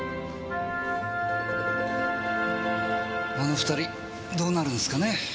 あの２人どうなるんすかね。